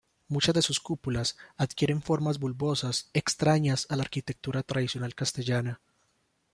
Muchas de sus cúpulas adquieren formas bulbosas, extrañas a la arquitectura tradicional castellana.